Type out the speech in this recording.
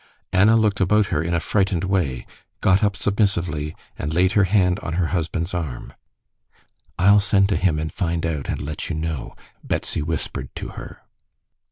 Anna looked about her in a frightened way, got up submissively, and laid her hand on her husband's arm. "I'll send to him and find out, and let you know," Betsy whispered to her.